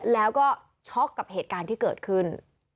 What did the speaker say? แล้วก็ช็อกกับเหตุการณ์ที่เกิดขึ้น